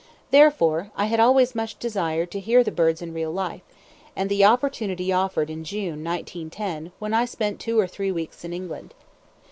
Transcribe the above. Therefore I had always much desired to hear the birds in real life; and the opportunity offered in June, 1910, when I spent two or three weeks in England.